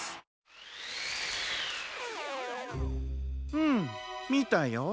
うんみたよ。